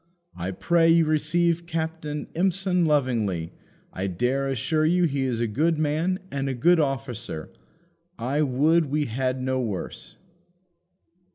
I pray you receive Captain Empson lovingly: I dare assure you he is a good man and a good officer; I would we had no worse."